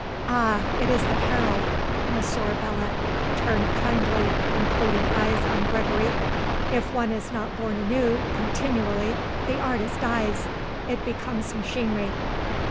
Ah, it is the peril," Monsieur Belot turned kindly including eyes on Gregory; "if one is not born anew, continually, the artist dies; it becomes machinery."